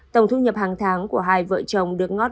tổng thu nhập hàng tháng của hai vợ chồng được ngót